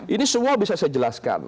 ini semua bisa saya jelaskan